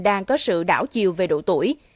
đang có sự đảo chiều về độ tuổi